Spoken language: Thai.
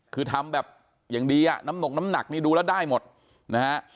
คือทำแบบอย่างดีอ่ะน้ำตกน้ำหนักนี่ดูแล้วได้หมดนะฮะ